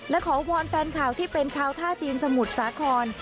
และขอวอนแฟนข่าวที่เป็นชาวท่าจีนสมุทรสาคร